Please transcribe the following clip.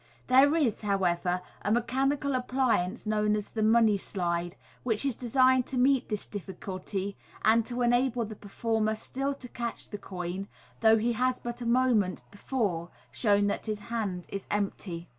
There is, however, a mechanical appliance known as the " money slide," which is designed to meet this difficulty, and to enable the performer still to catch the coin, though he has but a moment before shown that his hand is empty.